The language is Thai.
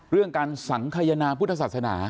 เรื่องการสังขยนาพุทธศาสนา